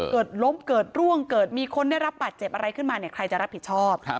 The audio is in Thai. เกิดล้มเกิดร่วงเกิดมีคนได้รับบาดเจ็บอะไรขึ้นมาเนี่ยใครจะรับผิดชอบ